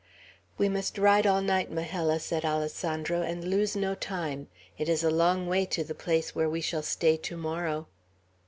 "We must ride all night, Majella," said Alessandro, "and lose no time. It is a long way to the place where we shall stay to morrow."